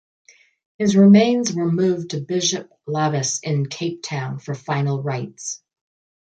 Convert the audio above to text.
His remains were moved to Bishop Lavis in Cape Town for final rites.